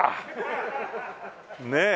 ねえ。